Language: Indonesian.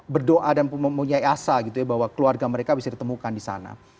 berdoa dan mempunyai asa gitu ya bahwa keluarga mereka bisa ditemukan di sana